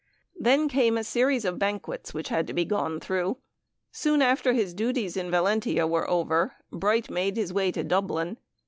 Then came a series of banquets, which had to be gone through. Soon after his duties at Valentia were over, Bright made his way to Dublin.